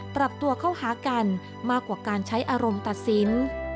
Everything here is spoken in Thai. ปรับตัวเข้าหากันมากกว่าการใช้อารมณ์ตัดสิน